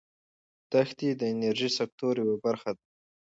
دښتې د انرژۍ سکتور یوه برخه ده.